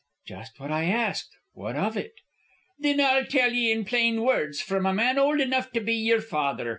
"Just what I asked, what of it?" "Thin I'll tell ye in plain words from a man old enough to be yer father.